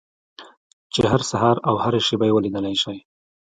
چې هر سهار او هره شپه يې وليدلای شئ.